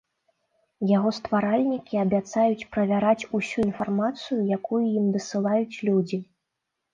Яго стваральнікі абяцаюць правяраць усю інфармацыю, якую ім дасылаюць людзі.